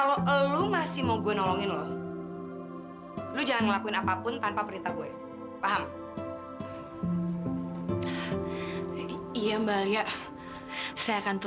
selama ini terima sih itu